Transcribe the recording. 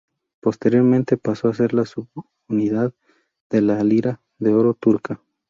Posteriormente, pasó a ser la subunidad de la lira de oro turca.